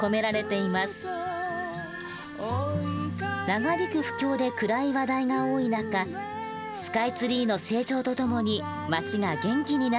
長引く不況で暗い話題が多い中スカイツリーの成長と共に町が元気になってほしい。